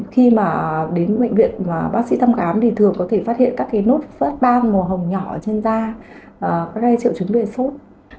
khi đến bệnh viện bác sĩ thăm khám thường có thể phát hiện các nốt phát ban màu hồng nhỏ trên da các triệu chứng về sốt